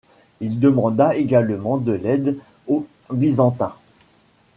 Il demanda également de l'aide aux Byzantins.